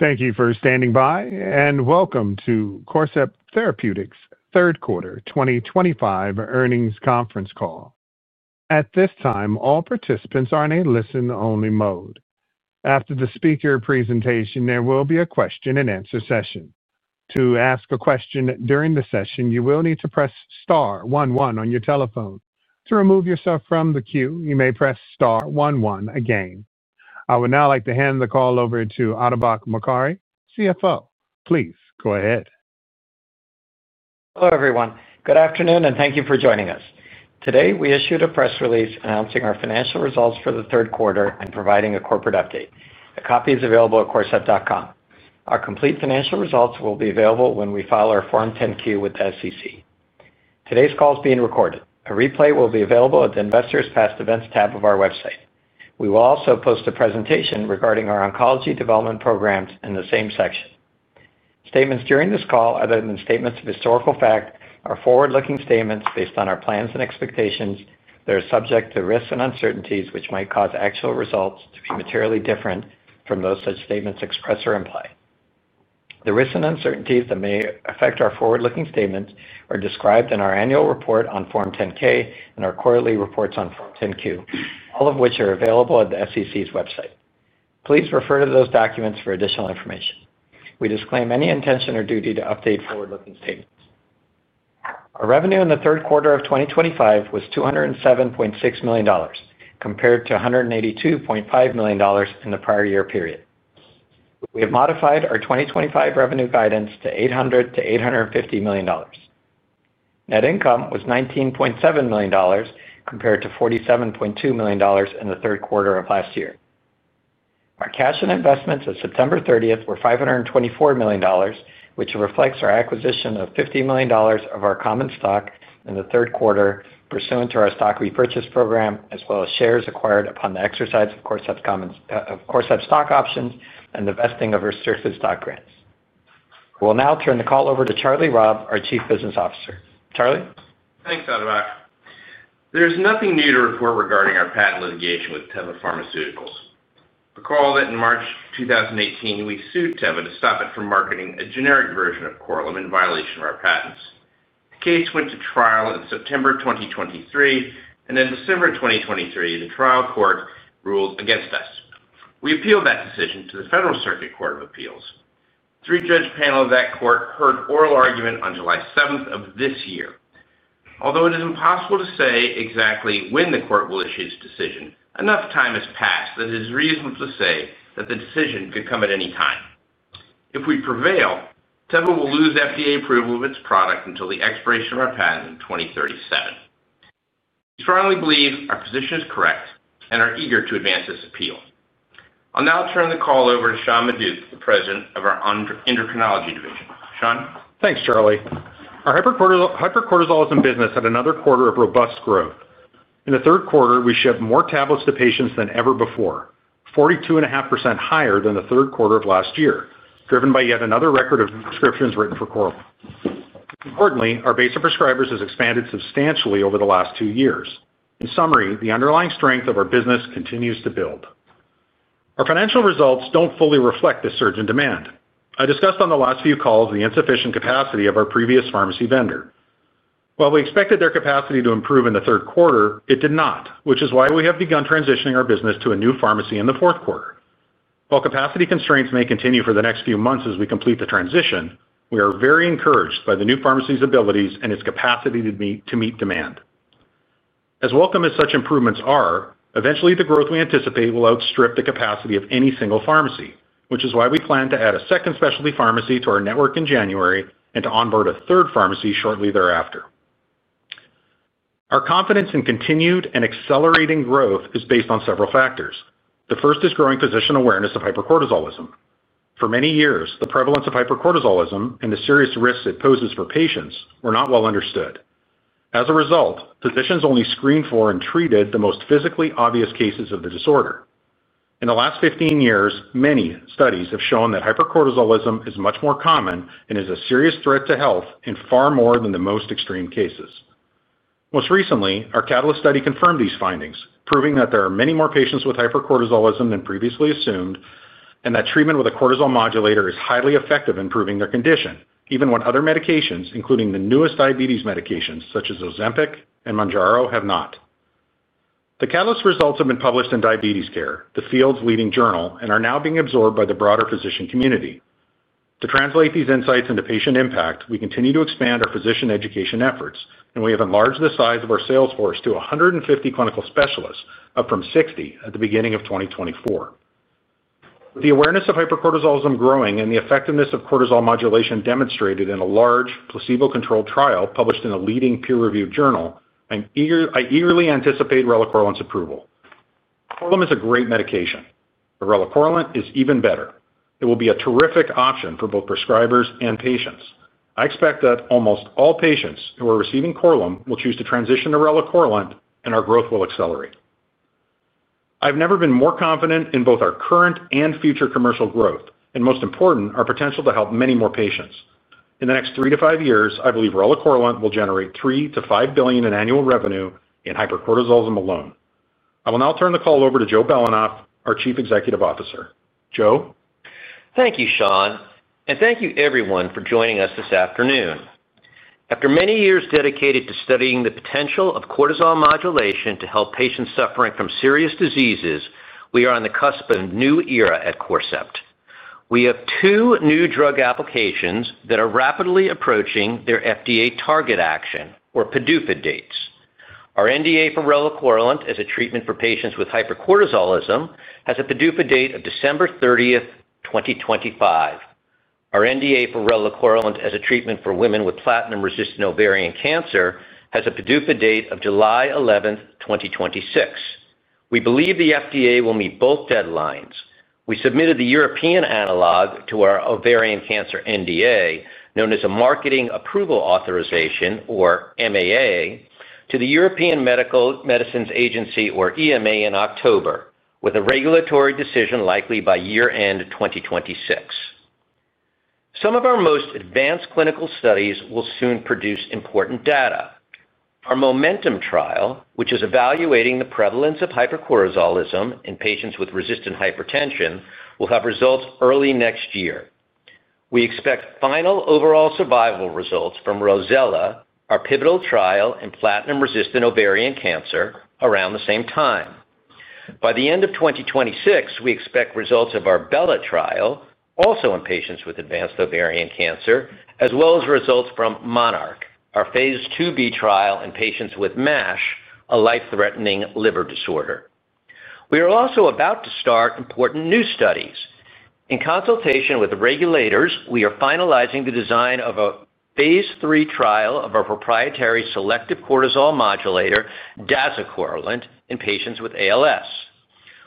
Thank you for standing by, and welcome to Corcept Therapeutics' Third Quarter 2025 Earnings Conference Call. At this time, all participants are in a listen-only mode. After the speaker presentation, there will be a question-and-answer session. To ask a question during the session, you will need to press star one one on your telephone. To remove yourself from the queue, you may press star one one again. I would now like to hand the call over to Atabak Mokari, CFO. Please go ahead. Hello everyone. Good afternoon, and thank you for joining us. Today, we issued a press release announcing our financial results for the third quarter and providing a corporate update. A copy is available at corcept.com. Our complete financial results will be available when we file our Form 10-Q with the SEC. Today's call is being recorded. A replay will be available at the Investors Past Events tab of our website. We will also post a presentation regarding our oncology development programs in the same section. Statements during this call, other than statements of historical fact, are forward-looking statements based on our plans and expectations. They are subject to risks and uncertainties which might cause actual results to be materially different from those such statements express or imply. The risks and uncertainties that may affect our forward-looking statements are described in our annual report on Form 10-K and our quarterly reports on Form 10-Q, all of which are available at the SEC's website. Please refer to those documents for additional information. We disclaim any intention or duty to update forward-looking statements. Our revenue in the third quarter of 2025 was $207.6 million, compared to $182.5 million in the prior year period. We have modified our 2025 revenue guidance to $800 million-$850 million. Net income was $19.7 million, compared to $47.2 million in the third quarter of last year. Our cash and investments as of September 30th were $524 million, which reflects our acquisition of $50 million of our common stock in the third quarter, pursuant to our stock repurchase program, as well as shares acquired upon the exercise of Corcept stock options and the vesting of restricted stock grants. We'll now turn the call over to Charlie Robb, our Chief Business Officer. Charlie. Thanks, Atabak. There's nothing new to report regarding our patent litigation with Teva Pharmaceuticals. Recall that in March 2018, we sued Teva to stop it from marketing a generic version of Korlym in violation of our patents. The case went to trial in September 2023, and in December 2023, the trial court ruled against us. We appealed that decision to the Federal Circuit Court of Appeals. The three-judge panel of that court heard oral argument on July 7th of this year. Although it is impossible to say exactly when the court will issue its decision, enough time has passed that it is reasonable to say that the decision could come at any time. If we prevail, Teva will lose FDA approval of its product until the expiration of our patent in 2037. We strongly believe our position is correct and are eager to advance this appeal. I'll now turn the call over to Sean Maduck, President of our Endocrinology Division. Sean. Thanks, Charlie. Our hypercortisolism business had another quarter of robust growth. In the third quarter, we shipped more tablets to patients than ever before, 42.5% higher than the third quarter of last year, driven by yet another record of prescriptions written for Korlym. Importantly, our base of prescribers has expanded substantially over the last two years. In summary, the underlying strength of our business continues to build. Our financial results don't fully reflect the surge in demand. I discussed on the last few calls the insufficient capacity of our previous pharmacy vendor. While we expected their capacity to improve in the third quarter, it did not, which is why we have begun transitioning our business to a new pharmacy in the fourth quarter. While capacity constraints may continue for the next few months as we complete the transition, we are very encouraged by the new pharmacy's abilities and its capacity to meet demand. As welcome as such improvements are, eventually, the growth we anticipate will outstrip the capacity of any single pharmacy, which is why we plan to add a second specialty pharmacy to our network in January and to onboard a third pharmacy shortly thereafter. Our confidence in continued and accelerating growth is based on several factors. The first is growing physician awareness of hypercortisolism. For many years, the prevalence of hypercortisolism and the serious risks it poses for patients were not well understood. As a result, physicians only screened for and treated the most physically obvious cases of the disorder. In the last 15 years, many studies have shown that hypercortisolism is much more common and is a serious threat to health in far more than the most extreme cases. Most recently, our CATALYST study confirmed these findings, proving that there are many more patients with hypercortisolism than previously assumed and that treatment with a cortisol modulator is highly effective in improving their condition, even when other medications, including the newest diabetes medications such as Ozempic and Mounjaro, have not. The CATALYST results have been published in Diabetes Care, the field's leading journal, and are now being absorbed by the broader physician community. To translate these insights into patient impact, we continue to expand our physician education efforts, and we have enlarged the size of our sales force to 150 clinical specialists, up from 60 at the beginning of 2024. With the awareness of hypercortisolism growing and the effectiveness of cortisol modulation demonstrated in a large placebo-controlled trial published in a leading peer-reviewed journal, I eagerly anticipate Relacorilant's approval. Korlym is a great medication. Relacorilant is even better. It will be a terrific option for both prescribers and patients. I expect that almost all patients who are receiving Korlym will choose to transition to Relacorilant, and our growth will accelerate. I've never been more confident in both our current and future commercial growth, and most important, our potential to help many more patients. In the next three to five years, I believe Relacorilant will generate $3 billion-$5 billion in annual revenue in hypercortisolism alone. I will now turn the call over to Joe Belanoff, our Chief Executive Officer. Joe. Thank you, Sean, and thank you everyone for joining us this afternoon. After many years dedicated to studying the potential of cortisol modulation to help patients suffering from serious diseases, we are on the cusp of a new era at Corcept. We have two new drug applications that are rapidly approaching their FDA target action, or PDUFA dates. Our NDA for Relacorilant as a treatment for patients with hypercortisolism has a PDUFA date of December 30th, 2025. Our NDA for Relacorilant as a treatment for women with platinum-resistant ovarian cancer has a PDUFA date of July 11th, 2026. We believe the FDA will meet both deadlines. We submitted the European analog to our ovarian cancer NDA, known as a Marketing Authorization Application, or MAA, to the European Medicines Agency, or EMA, in October, with a regulatory decision likely by year-end 2026. Some of our most advanced clinical studies will soon produce important data. Our MOMENTUM trial, which is evaluating the prevalence of hypercortisolism in patients with resistant hypertension, will have results early next year. We expect final overall survival results from ROSELLA, our pivotal trial in platinum-resistant ovarian cancer, around the same time. By the end of 2026, we expect results of our BELLA trial, also in patients with advanced ovarian cancer, as well as results from MONARCH, our phase IIB trial in patients with MASH, a life-threatening liver disorder. We are also about to start important new studies. In consultation with regulators, we are finalizing the design of a phase III trial of our proprietary selective cortisol modulator, Dazcorilant, in patients with ALS.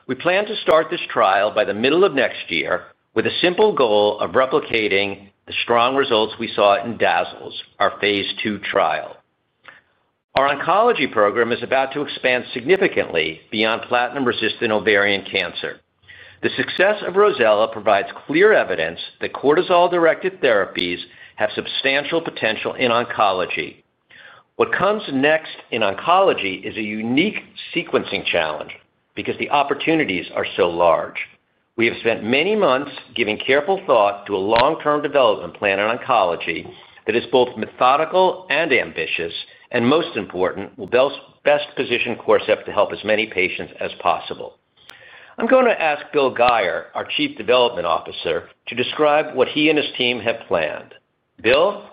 We plan to start this trial by the middle of next year with a simple goal of replicating the strong results we saw in DAZALS, our phase II trial. Our oncology program is about to expand significantly beyond platinum-resistant ovarian cancer. The success of ROSELLA provides clear evidence that cortisol-directed therapies have substantial potential in oncology. What comes next in oncology is a unique sequencing challenge because the opportunities are so large. We have spent many months giving careful thought to a long-term development plan in oncology that is both methodical and ambitious, and most important, will best position Corcept to help as many patients as possible. I'm going to ask Bill Guyer, our Chief Development Officer, to describe what he and his team have planned. Bill?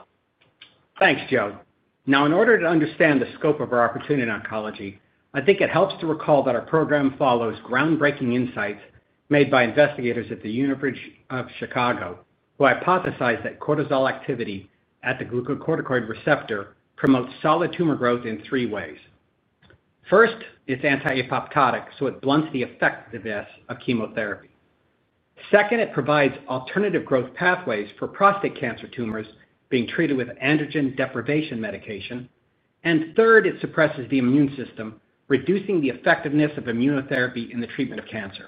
Thanks, Joe. Now, in order to understand the scope of our opportunity in oncology, I think it helps to recall that our program follows groundbreaking insights made by investigators at the University of Chicago who hypothesized that cortisol activity at the glucocorticoid receptor promotes solid tumor growth in three ways. First, it's anti-apoptotic, so it blunts the effectiveness of chemotherapy. Second, it provides alternative growth pathways for prostate cancer tumors being treated with androgen deprivation medication. And third, it suppresses the immune system, reducing the effectiveness of immunotherapy in the treatment of cancer.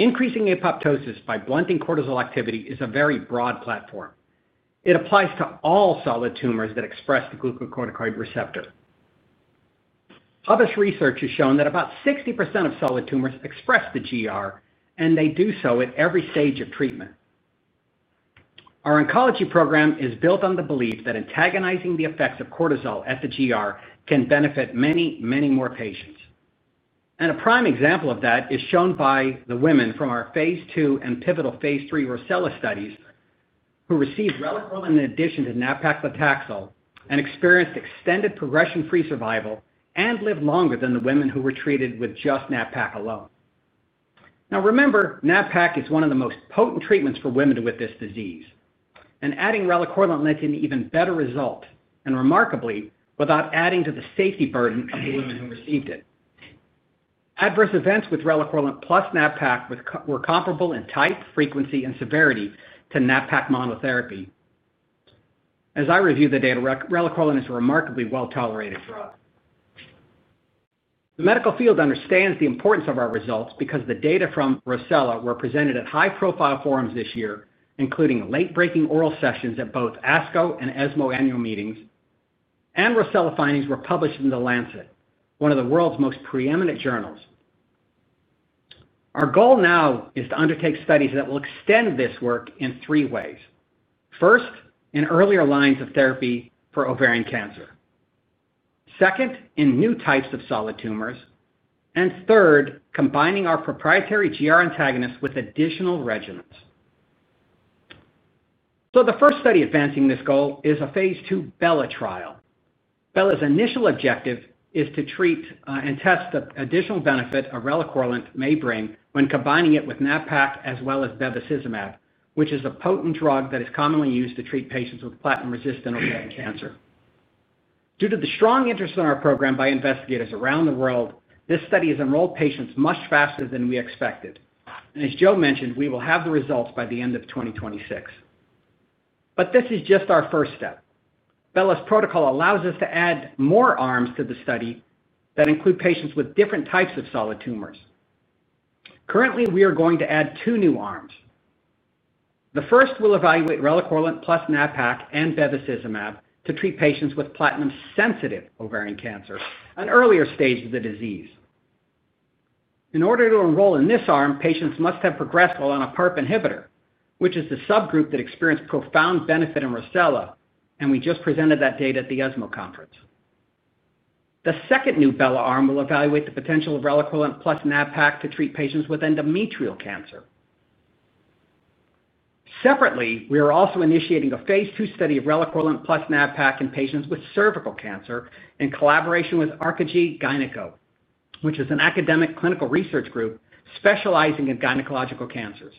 Increasing apoptosis by blunting cortisol activity is a very broad platform. It applies to all solid tumors that express the glucocorticoid receptor. Published research has shown that about 60% of solid tumors express the GR, and they do so at every stage of treatment. Our oncology program is built on the belief that antagonizing the effects of cortisol at the GR can benefit many, many more patients. And a prime example of that is shown by the women from our phase II and pivotal phase III ROSELLA studies who received Relacorilant in addition to Nab-paclitaxel and experienced extended progression-free survival and lived longer than the women who were treated with just Nab-paclitaxel alone. Now, remember, Nab-paclitaxel is one of the most potent treatments for women with this disease, and adding Relacorilant led to an even better result, and remarkably, without adding to the safety burden of the women who received it. Adverse events with Relacorilant plus Nab-paclitaxel were comparable in type, frequency, and severity to Nab-paclitaxel monotherapy. As I review the data, Relacorilant is a remarkably well-tolerated drug. The medical field understands the importance of our results because the data from ROSELLA were presented at high-profile forums this year, including late-breaking oral sessions at both ASCO and ESMO annual meetings, and ROSELLA findings were published in The Lancet, one of the world's most preeminent journals. Our goal now is to undertake studies that will extend this work in three ways. First, in earlier lines of therapy for ovarian cancer. Second, in new types of solid tumors, and third, combining our proprietary GR antagonists with additional regimens. So the first study advancing this goal is a phase II BELLA trial. BELLA's initial objective is to treat and test the additional benefit of Relacorilant may bring when combining it with Nab-paclitaxel as well as bevacizumab, which is a potent drug that is commonly used to treat patients with platinum-resistant ovarian cancer. Due to the strong interest in our program by investigators around the world, this study has enrolled patients much faster than we expected. And as Joe mentioned, we will have the results by the end of 2026. But this is just our first step. BELLA's protocol allows us to add more arms to the study that include patients with different types of solid tumors. Currently, we are going to add two new arms. The first will evaluate Relacorilant plus Nab-paclitaxel and Bevacizumab to treat patients with platinum-sensitive ovarian cancer, an earlier stage of the disease. In order to enroll in this arm, patients must have progressed well on a PARP inhibitor, which is the subgroup that experienced profound benefit in ROSELLA, and we just presented that data at the ESMO conference. The second new BELLA arm will evaluate the potential of Relacorilant plus Nab-paclitaxel to treat patients with endometrial cancer. Separately, we are also initiating a phase II study of Relacorilant plus Nab-paclitaxel in patients with cervical cancer in collaboration with ARCAGY Research, which is an academic clinical research group specializing in gynecological cancers.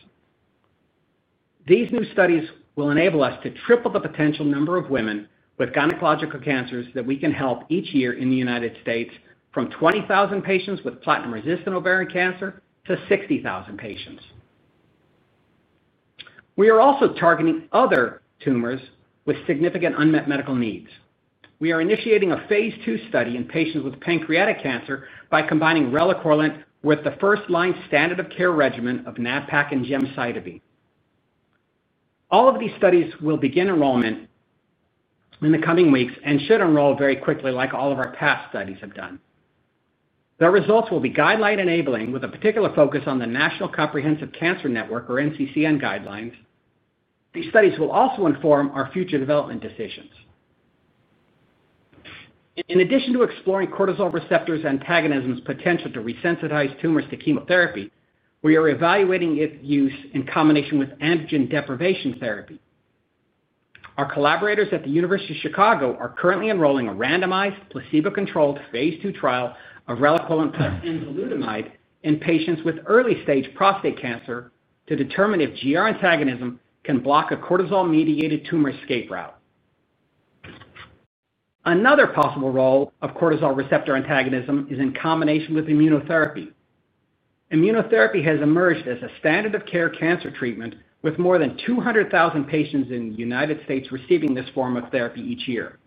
These new studies will enable us to triple the potential number of women with gynecological cancers that we can help each year in the United States, from 20,000 patients with platinum-resistant ovarian cancer to 60,000 patients. We are also targeting other tumors with significant unmet medical needs. We are initiating a phase II study in patients with pancreatic cancer by combining Relacorilant with the first-line standard of care regimen of Nab-paclitaxel and gemcitabine. All of these studies will begin enrollment, in the coming weeks and should enroll very quickly, like all of our past studies have done. Their results will be guideline-enabling, with a particular focus on the National Comprehensive Cancer Network, or NCCN, guidelines. These studies will also inform our future development decisions. In addition to exploring cortisol receptors antagonism's potential to resensitize tumors to chemotherapy, we are evaluating its use in combination with androgen deprivation therapy. Our collaborators at the University of Chicago are currently enrolling a randomized placebo-controlled phase II trial of Relacorilant plus enzalutamide in patients with early-stage prostate cancer to determine if GR antagonism can block a cortisol-mediated tumor escape route. Another possible role of cortisol receptor antagonism is in combination with immunotherapy. Immunotherapy has emerged as a standard of care cancer treatment, with more than 200,000 patients in the United States receiving this form of therapy each year.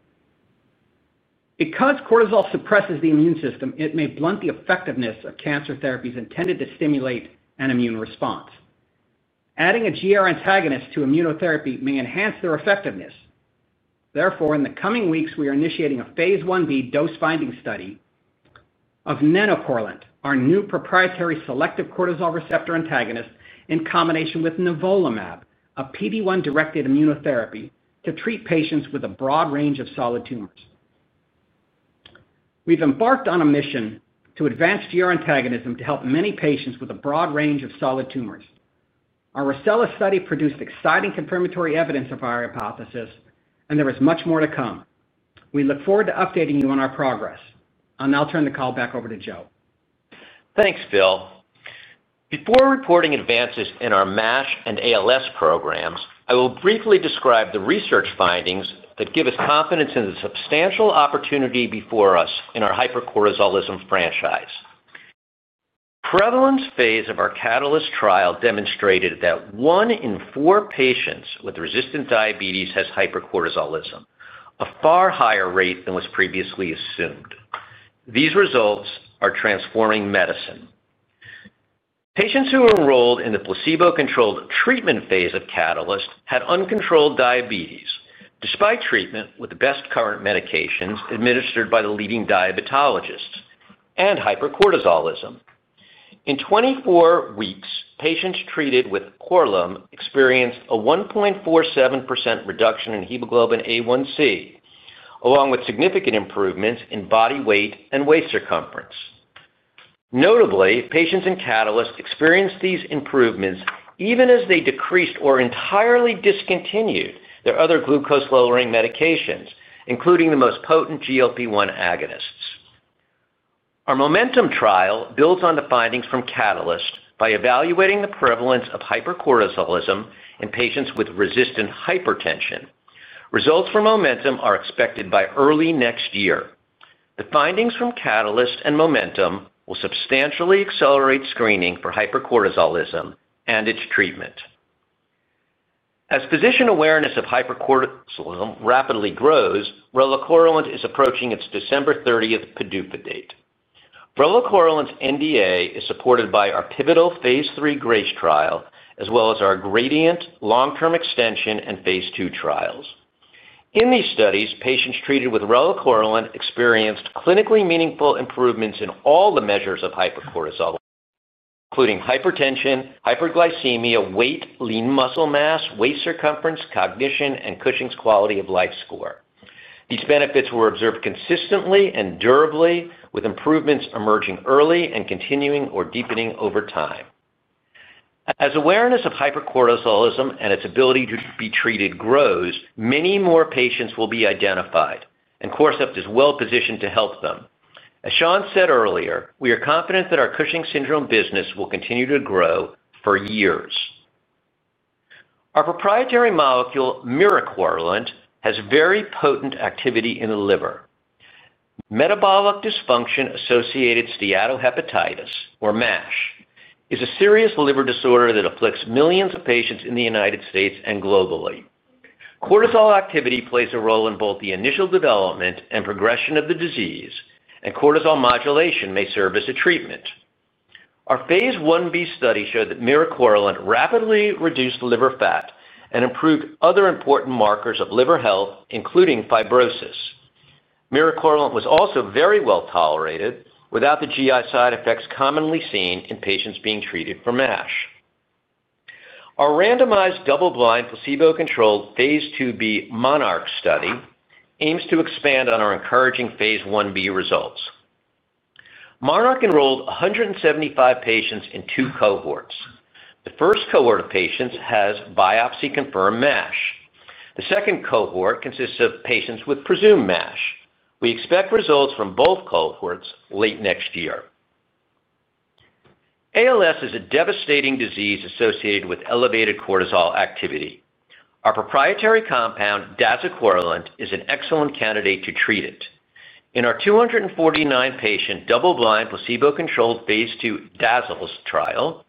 Because cortisol suppresses the immune system, it may blunt the effectiveness of cancer therapies intended to stimulate an immune response. Adding a GR antagonist to immunotherapy may enhance their effectiveness. Therefore, in the coming weeks, we are initiating a phase Ib dose-finding study of Nenocorilant, our new proprietary selective cortisol receptor antagonist, in combination with nivolumab, a PD-1-directed immunotherapy to treat patients with a broad range of solid tumors. We've embarked on a mission to advance GR antagonism to help many patients with a broad range of solid tumors. Our ROSELLA study produced exciting confirmatory evidence of our hypothesis, and there is much more to come. We look forward to updating you on our progress, and I'll turn the call back over to Joe. Thanks, Phil. Before reporting advances in our MASH and ALS programs, I will briefly describe the research findings that give us confidence in the substantial opportunity before us in our hypercortisolism franchise. The prevalence phase of our CATALYST trial demonstrated that one in four patients with resistant diabetes has hypercortisolism, a far higher rate than was previously assumed. These results are transforming medicine. Patients who were enrolled in the placebo-controlled treatment phase of CATALYST had uncontrolled diabetes, despite treatment with the best current medications administered by the leading diabetologists, and hypercortisolism. In 24 weeks, patients treated with Korlym experienced a 1.47% reduction in hemoglobin A1c, along with significant improvements in body weight and waist circumference. Notably, patients in CATALYST experienced these improvements even as they decreased or entirely discontinued their other glucose-lowering medications, including the most potent GLP-1 agonists. Our MOMENTUM trial builds on the findings from CATALYST by evaluating the prevalence of hypercortisolism in patients with resistant hypertension. Results for MOMENTUM are expected by early next year. The findings from CATALYST and MOMENTUM will substantially accelerate screening for hypercortisolism and its treatment. As physician awareness of hypercortisolism rapidly grows, Relacorilant is approaching its December 30th PDUFA date. Relacorilant's NDA is supported by our pivotal phase III GRACE trial, as well as our open-label long-term extension, and phase II trials. In these studies, patients treated with Relacorilant experienced clinically meaningful improvements in all the measures of hypercortisolism, including hypertension, hyperglycemia, weight, lean muscle mass, waist circumference, cognition, and Cushing's quality of life score. These benefits were observed consistently and durably, with improvements emerging early and continuing or deepening over time. As awareness of hypercortisolism and its ability to be treated grows, many more patients will be identified, and Corcept is well positioned to help them. As Sean said earlier, we are confident that our Cushing's syndrome business will continue to grow for years. Our proprietary molecule, Miricorilant, has very potent activity in the liver. Metabolic dysfunction-associated steatohepatitis, or MASH, is a serious liver disorder that afflicts millions of patients in the United States and globally. Cortisol activity plays a role in both the initial development and progression of the disease, and cortisol modulation may serve as a treatment. Our phase Ib study showed that Miricorilant rapidly reduced liver fat and improved other important markers of liver health, including fibrosis. Miricorilant was also very well tolerated without the GI side effects commonly seen in patients being treated for MASH. Our randomized double-blind placebo-controlled phase IIb MONARCH study aims to expand on our encouraging phase Ib results. MONARCH enrolled 175 patients in two cohorts. The first cohort of patients has biopsy-confirmed MASH. The second cohort consists of patients with presumed MASH. We expect results from both cohorts late next year. ALS is a devastating disease associated with elevated cortisol activity. Our proprietary compound, Dazcorilant, is an excellent candidate to treat it. In our 249-patient double-blind placebo-controlled phase II DAZALS trial,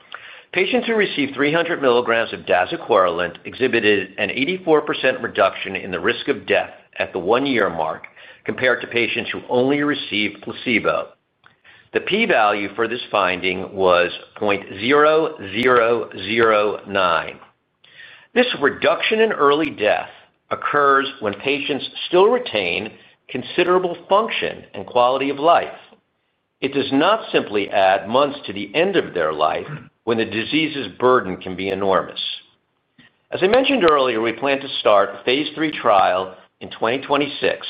patients who received 300 milligrams of Dazcorilant exhibited an 84% reduction in the risk of death at the one-year mark compared to patients who only received placebo. The p-value for this finding was 0.0009. This reduction in early death occurs when patients still retain considerable function and quality of life. It does not simply add months to the end of their life when the disease's burden can be enormous. As I mentioned earlier, we plan to start a phase III trial in 2026.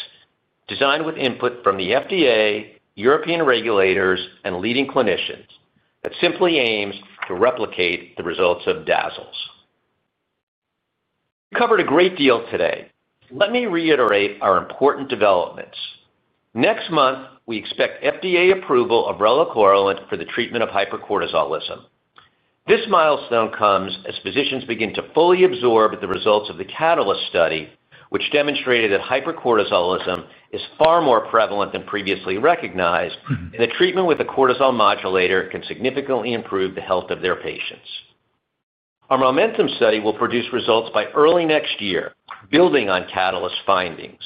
Designed with input from the FDA, European regulators, and leading clinicians, it simply aims to replicate the results of DAZALS. We covered a great deal today. Let me reiterate our important developments. Next month, we expect FDA approval of Relacorilant for the treatment of hypercortisolism. This milestone comes as physicians begin to fully absorb the results of the CATALYST study, which demonstrated that hypercortisolism is far more prevalent than previously recognized and that treatment with a cortisol modulator can significantly improve the health of their patients. Our MOMENTUM study will produce results by early next year, building on CATALYST findings.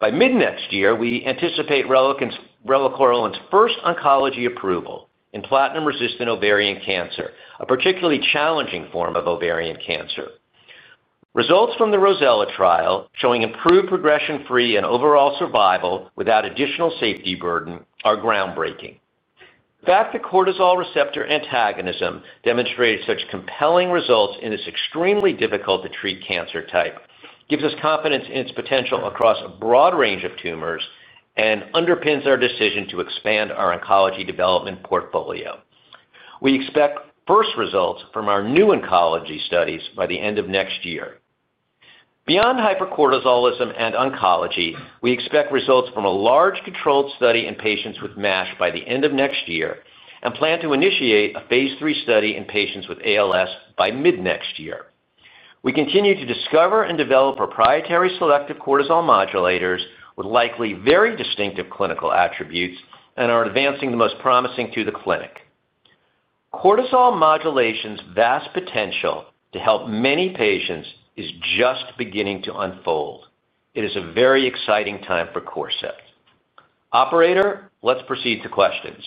By mid-next year, we anticipate Relacorilant's first oncology approval in platinum-resistant ovarian cancer, a particularly challenging form of ovarian cancer. Results from the ROSELLA trial showing improved progression-free and overall survival without additional safety burden are groundbreaking. The fact that cortisol receptor antagonism demonstrated such compelling results in this extremely difficult-to-treat cancer type gives us confidence in its potential across a broad range of tumors and underpins our decision to expand our oncology development portfolio. We expect first results from our new oncology studies by the end of next year. Beyond hypercortisolism and oncology, we expect results from a large controlled study in patients with MASH by the end of next year and plan to initiate a phase III study in patients with ALS by mid-next year. We continue to discover and develop proprietary selective cortisol modulators with likely very distinctive clinical attributes and are advancing the most promising to the clinic. Cortisol modulation's vast potential to help many patients is just beginning to unfold. It is a very exciting time for Corcept. Operator, let's proceed to questions.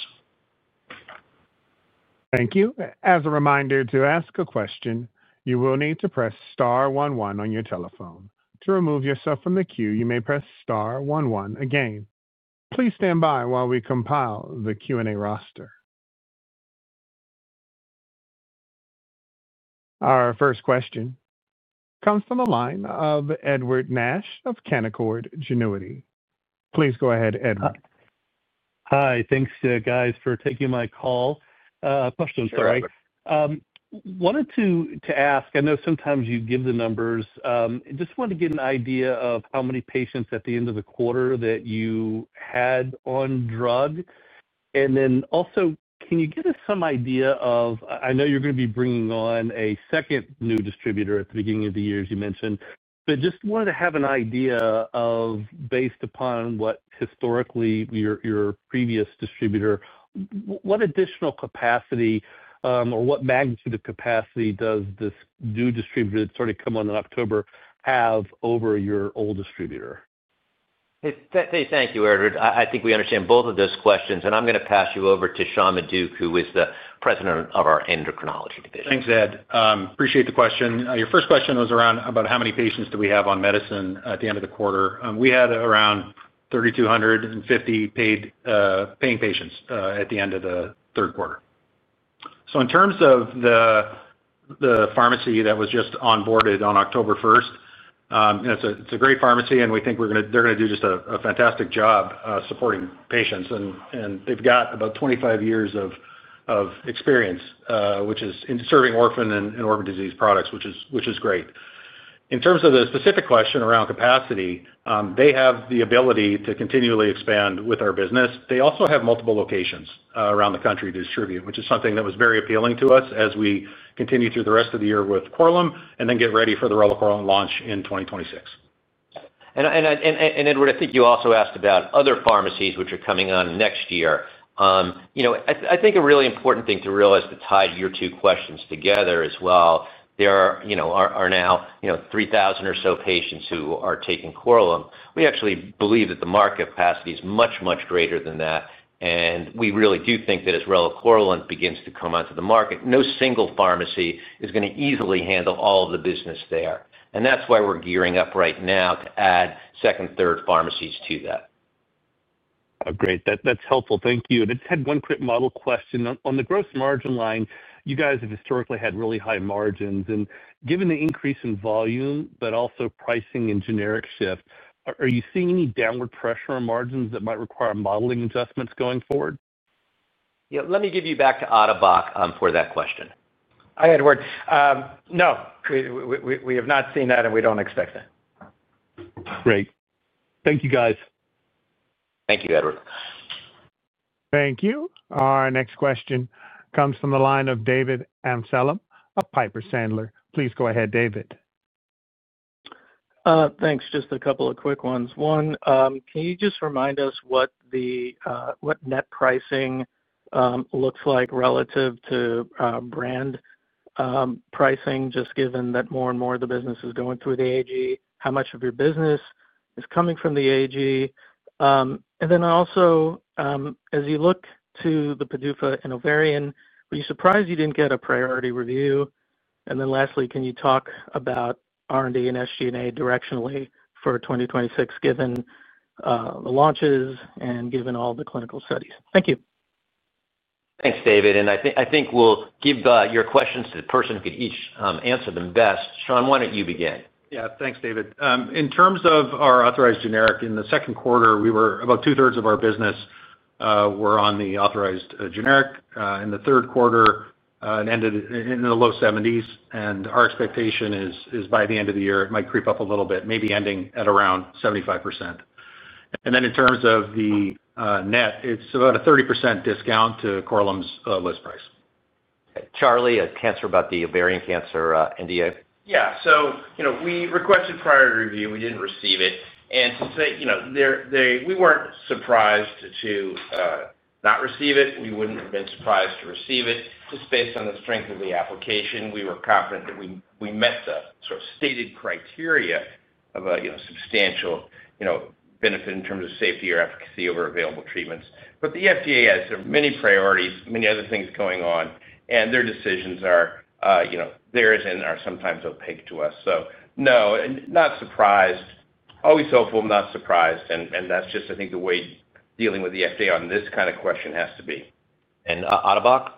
Thank you. As a reminder, to ask a question, you will need to press Star 11 on your telephone. To remove yourself from the queue, you may press star one one again. Please stand by while we compile the Q&A roster. Our first question comes from the line of Edward Nash of Canaccord Genuity. Please go ahead, Edward. Hi. Thanks, guys, for taking my call. Question, sorry. Wanted to ask, I know sometimes you give the numbers, just wanted to get an idea of how many patients at the end of the quarter that you had on drug. And then also, can you give us some idea of, I know you're going to be bringing on a second new distributor at the beginning of the year, as you mentioned, but just wanted to have an idea of, based upon what historically your previous distributor, what additional capacity or what magnitude of capacity does this new distributor that's sort of come on in October have over your old distributor? Thank you, Edward. I think we understand both of those questions, and I'm going to pass you over to Sean Maduck, who is the President of our Endocrinology Division. Thanks, Ed. Appreciate the question. Your first question was around about how many patients do we have on medicine at the end of the quarter. We had around 3,250 paying patients at the end of the third quarter. So in terms of the pharmacy that was just onboarded on October 1st. It's a great pharmacy, and we think they're going to do just a fantastic job supporting patients. And they've got about 25 years of experience, which is in serving orphan and organ disease products, which is great. In terms of the specific question around capacity, they have the ability to continually expand with our business. They also have multiple locations around the country to distribute, which is something that was very appealing to us as we continue through the rest of the year with Korlym and then get ready for the Relacorilant launch in 2026. And Edward, I think you also asked about other pharmacies which are coming on next year. I think a really important thing to realize to tie your two questions together as well, there are now 3,000 or so patients who are taking Korlym. We actually believe that the market capacity is much, much greater than that. And we really do think that as Relacorilant begins to come onto the market, no single pharmacy is going to easily handle all of the business there. And that's why we're gearing up right now to add second, third pharmacies to that. Great. That's helpful. Thank you. And Ed had one quick model question. On the gross margin line, you guys have historically had really high margins. And given the increase in volume, but also pricing and generic shift, are you seeing any downward pressure on margins that might require modeling adjustments going forward? Yeah. Let me give you back to Atabak for that question. Hi, Edward. No. We have not seen that, and we don't expect that. Great. Thank you, guys. Thank you, Edward. Thank you. Our next question comes from the line of David Amsellem of Piper Sandler. Please go ahead, David. Thanks. Just a couple of quick ones. One, can you just remind us what net pricing looks like relative to brand pricing, just given that more and more of the business is going through the AG? How much of your business is coming from the AG? And then also, as you look to the PDUFA and ovarian, were you surprised you didn't get a priority review? And then lastly, can you talk about R&D and SG&A directionally for 2026, given the launches and given all the clinical studies? Thank you. Thanks, David. And I think we'll give your questions to the person who can each answer them best. Sean, why don't you begin? Yeah. Thanks, David. In terms of our authorized generic, in the second quarter, we were about two-thirds of our business. We were on the authorized generic. In the third quarter, it ended in the low 70s. And our expectation is by the end of the year, it might creep up a little bit, maybe ending at around 75%. And then in terms of the net, it's about a 30% discount to Korlym's list price. Charlie, a question about the ovarian cancer NDA. Yeah. So we requested priority review. We didn't receive it. And to say we weren't surprised to not receive it. We wouldn't have been surprised to receive it. Just based on the strength of the application, we were confident that we met the sort of stated criteria of a substantial benefit in terms of safety or efficacy over available treatments. But the FDA has many priorities, many other things going on, and their decisions are theirs, and are sometimes opaque to us. So no, not surprised. Always hopeful, not surprised. And that's just, I think, the way dealing with the FDA on this kind of question has to be. And Atabak?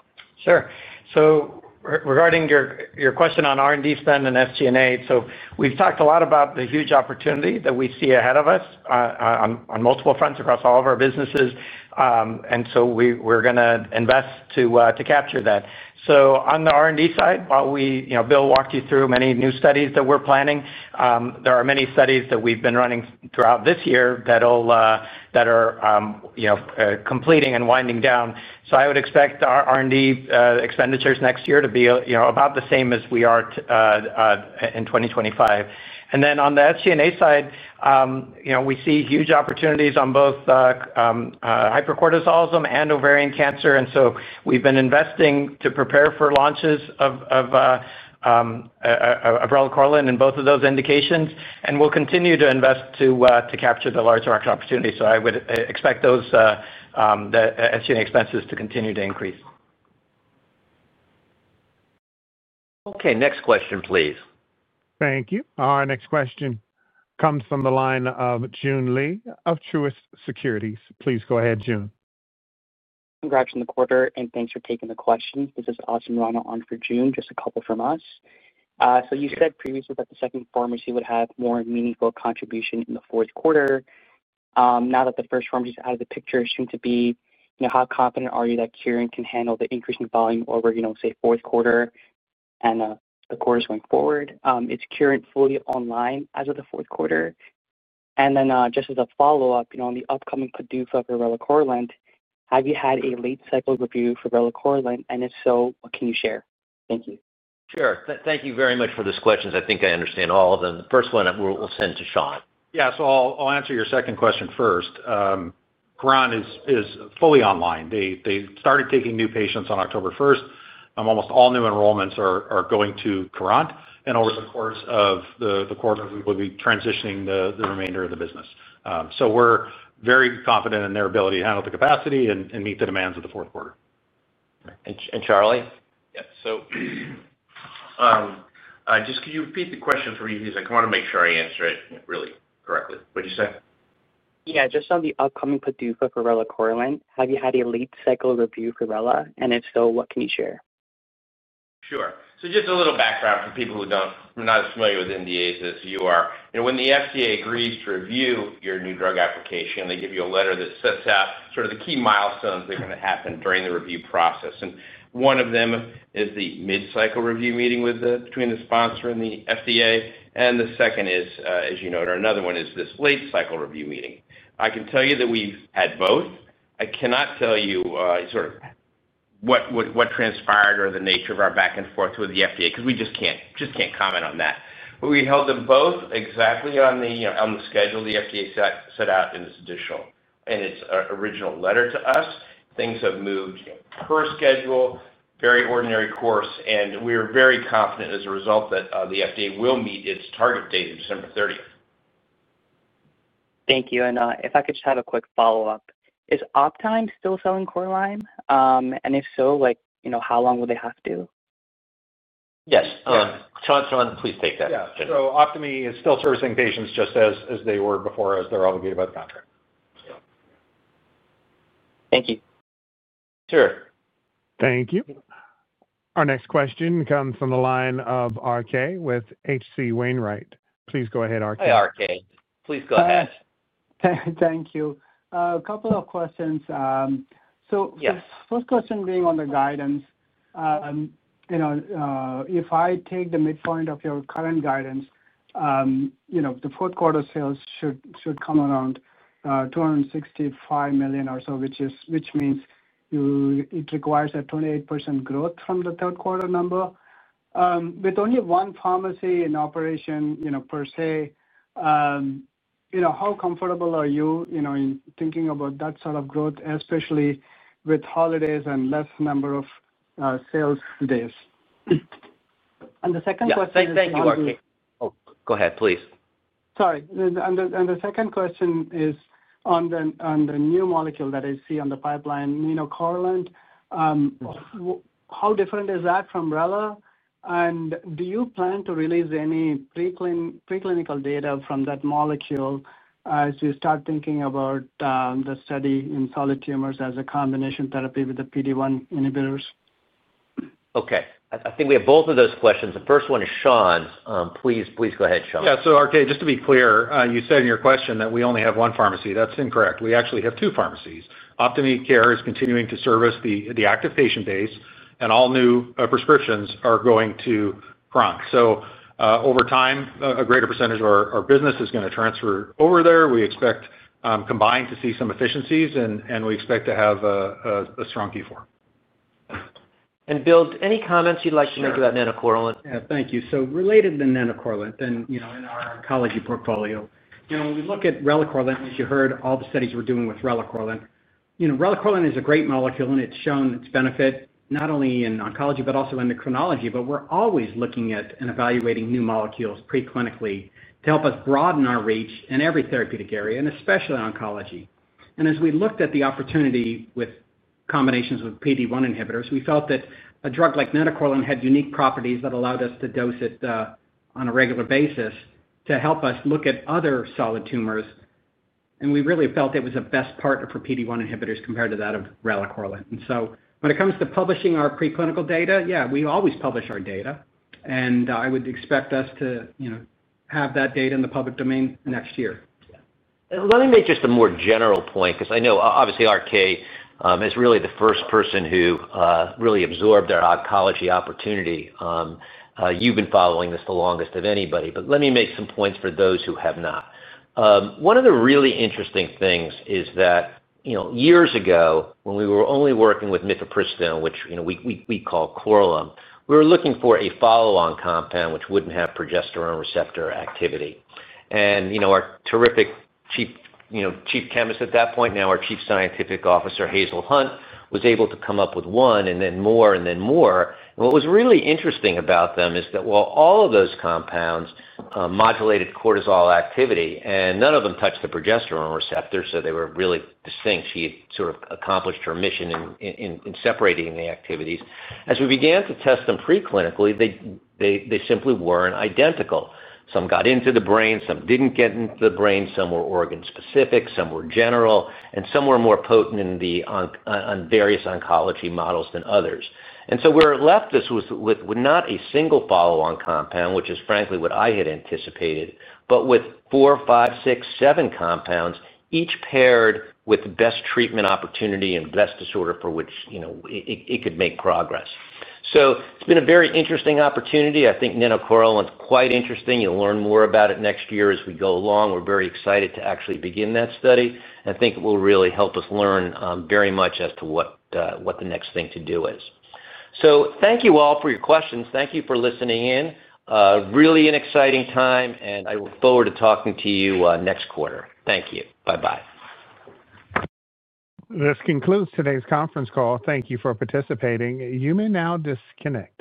Sure. So regarding your question on R&D spend and SG&A, so we've talked a lot about the huge opportunity that we see ahead of us on multiple fronts across all of our businesses, and so we're going to invest to capture that. So on the R&D side, while Bill walked you through many new studies that we're planning, there are many studies that we've been running throughout this year that are completing and winding down. So I would expect our R&D expenditures next year to be about the same as we are in 2025. And then on the SG&A side, we see huge opportunities on both hypercortisolism and ovarian cancer, and so we've been investing to prepare for launches of Relacorilant in both of those indications, and we'll continue to invest to capture the large market opportunity, so I would expect those SG&A expenses to continue to increase. Okay. Next question, please. Thank you. Our next question comes from the line of Joon Lee of Truist Securities. Please go ahead, Joon. Congrats on the quarter, and thanks for taking the questions. This is Austin Ryan on for Joon, just a couple from us. So you said previously that the second pharmacy would have more meaningful contribution in the fourth quarter. Now that the first pharmacy is out of the picture, it seems to be, how confident are you that Curant can handle the increasing volume over, say, fourth quarter and the quarters going forward? Is Curant fully online as of the fourth quarter? And then just as a follow-up, on the upcoming PDUFA for Relacorilant, have you had a late-cycle review for Relacorilant? And if so, what can you share? Thank you. Sure. Thank you very much for those questions. I think I understand all of them. The first one we'll send to Sean. Yeah. So I'll answer your second question first. Corant is fully online. They started taking new patients on October 1st. Almost all new enrollments are going to Corant. And over the course of the quarter, we will be transitioning the remainder of the business. So we're very confident in their ability to handle the capacity and meet the demands of the fourth quarter. And Charlie? Yeah. So. Just could you repeat the question for me? Because I want to make sure I answer it really correctly. What did you say? Yeah. Just on the upcoming PDUFA for Relacorilant, have you had a late-cycle review for Relacorilant? And if so, what can you share? Sure. So just a little background for people who are not as familiar with NDAs as you are. When the FDA agrees to review your new drug application, they give you a letter that sets out sort of the key milestones that are going to happen during the review process. And one of them is the mid-cycle review meeting between the sponsor and the FDA. And the second is, as you noted, another one is this late-cycle review meeting. I can tell you that we've had both. I cannot tell you sort of what transpired or the nature of our back and forth with the FDA because we just can't comment on that. But we held them both exactly on the schedule the FDA set out in its original letter to us. Things have moved per schedule, very ordinary course. And we are very confident as a result that the FDA will meet its target date of December 30th. Thank you. And if I could just have a quick follow-up, is Teva still selling Korlym? And if so, how long will they have to? Yes. Sean, please take that. Yeah. So Optime is still servicing patients just as they were before, as they're obligated by the contract. Thank you. Sure. Thank you. Our next question comes from the line of RK with H.C. Wainwright. Please go ahead, RK. Hey, RK. Please go ahead. Thank you. A couple of questions. So first question being on the guidance. If I take the midpoint of your current guidance. The fourth quarter sales should come around $265 million or so, which means. It requires a 28% growth from the third quarter number. With only one pharmacy in operation per se. How comfortable are you in thinking about that sort of growth, especially with holidays and less number of sales days? The second question is. Oh, go ahead, please. Sorry. And the second question is on the new molecule that I see on the pipeline, Nenocorilant. How different is that from Relacorilant? And do you plan to release any preclinical data from that molecule as we start thinking about the study in solid tumors as a combination therapy with the PD-1 inhibitors? Okay. I think we have both of those questions. The first one is Sean's. Please go ahead, Sean. Yeah. So RK, just to be clear, you said in your question that we only have one pharmacy. That's incorrect. We actually have two pharmacies. Optime Care is continuing to service the active patient base, and all new prescriptions are going to Corant. So over time, a greater percentage of our business is going to transfer over there. We expect combined to see some efficiencies, and we expect to have a strong Q4. Bill, any comments you'd like to make about Nenocorilant? Yeah. Thank you. So related to nenocorilant, then in our oncology portfolio, when we look at Relacorilant, as you heard, all the studies we're doing with Relacorilant, Relacorilant is a great molecule, and it's shown its benefit not only in oncology but also in endocrinology. But we're always looking at and evaluating new molecules preclinically to help us broaden our reach in every therapeutic area, and especially oncology. And as we looked at the opportunity with combinations with PD-1 inhibitors, we felt that a drug like nenocorilant had unique properties that allowed us to dose it on a regular basis to help us look at other solid tumors. And we really felt it was a best partner for PD-1 inhibitors compared to that of Relacorilant. And so when it comes to publishing our preclinical data, yeah, we always publish our data. And I would expect us to have that data in the public domain next year. Let me make just a more general point because I know obviously RK is really the first person who really absorbed our oncology opportunity. You've been following this the longest of anybody. But let me make some points for those who have not. One of the really interesting things is that years ago, when we were only working with mifepristone, which we call Korlym, we were looking for a follow-on compound which wouldn't have progesterone receptor activity. And our terrific chief chemist at that point, now our Chief Scientific Officer, Hazel Hunt, was able to come up with one and then more and then more. What was really interesting about them is that while all of those compounds modulated cortisol activity, and none of them touched the progesterone receptor, so they were really distinct. She had sort of accomplished her mission in separating the activities. As we began to test them preclinically, they simply weren't identical. Some got into the brain, some didn't get into the brain, some were organ-specific, some were general, and some were more potent in various oncology models than others. We're left with not a single follow-on compound, which is frankly what I had anticipated, but with four, five, six, seven compounds each paired with the best treatment opportunity and best disorder for which it could make progress. It's been a very interesting opportunity. I think Nenocorilant is quite interesting. You'll learn more about it next year as we go along. We're very excited to actually begin that study. I think it will really help us learn very much as to what the next thing to do is. Thank you all for your questions. Thank you for listening in. Really an exciting time, and I look forward to talking to you next quarter. Thank you. Bye-bye. This concludes today's conference call. Thank you for participating. You may now disconnect.